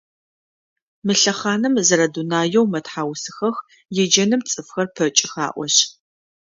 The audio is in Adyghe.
Мы лъэхъаным зэрэдунаеу мэтхьаусыхэх еджэным цӏыфхэр пэкӏых аӏошъ.